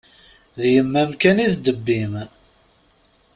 D yemma-m kan i d ddeb-im.